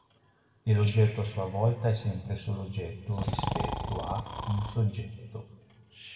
E l'oggetto a sua volta è sempre solo oggetto "rispetto a" un soggetto.